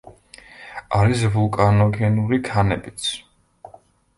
არის ვულკანოგენური ქანებიც.